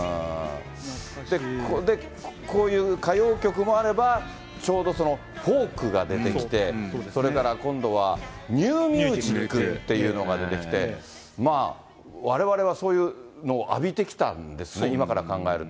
こういう歌謡曲みたいなのがあれば、ちょうどそのフォークが出てきて、それから今度はニューミュージックっていうのが出てきて、われわれはそういうのを浴びてきたんですよね、今から考えると。